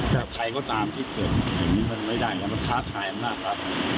แต่ใครก็ตามที่เกิดแบบนี้มันไม่ได้ยังไงก็จะท้าทายอำนาจรัฐ